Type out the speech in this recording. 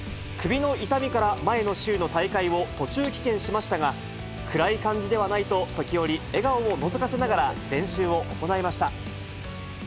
首の痛みから前の週の大会を途中棄権しましたが、暗い感じではないと、時折、笑顔をのぞかせながら、練習を行いました。